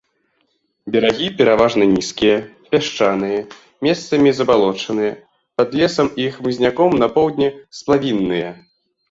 Берагі пераважна нізкія, пясчаныя, месцамі забалочаныя, пад лесам і хмызняком, на поўдні сплавінныя.